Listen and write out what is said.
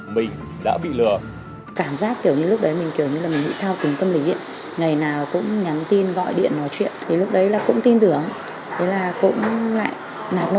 mình đã bị lừa